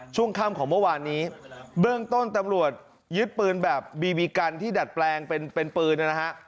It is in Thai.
ช่วงค่ำของเมื่อวานนี้เบื้องต้นตำรวจยึดปืนแบบบีบีกันที่ดัดแปลงเป็นเป็นปืนนะฮะ